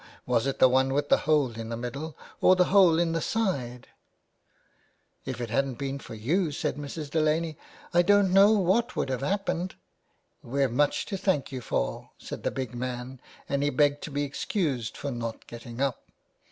Was it the one with the hole in the middle, or was the hole in the side ?""' If it hadn't been for you,' said Mrs. Delaney, * I don't know what would have happened.' ' We've much to thank you for,' said the big man, and he begged to be excused for not getting up.